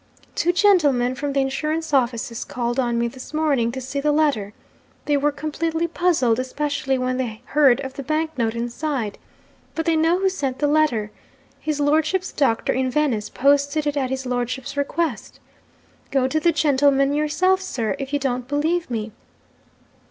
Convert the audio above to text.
'Two gentlemen from the insurance offices called on me this morning, to see the letter. They were completely puzzled especially when they heard of the bank note inside. But they know who sent the letter. His lordship's doctor in Venice posted it at his lordship's request. Go to the gentlemen yourself, sir, if you don't believe me.